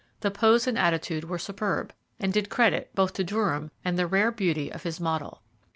The pose and attitude were superb, and did credit both to Durham and the rare beauty of his model.